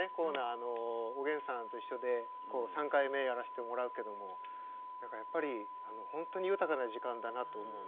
あの「おげんさんといっしょ」でこう３回目やらせてもらうけども何かやっぱり本当に豊かな時間だなと思うね。